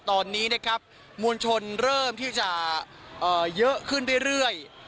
ตอนนี้นะครับมวลชนเริ่มที่จะเยอะขึ้นเรื่อย